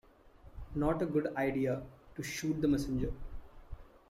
Not a good idea to shoot the messenger.